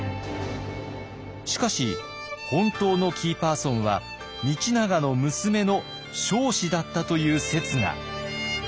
しかし本当のキーパーソンは道長の娘の彰子だったという説が。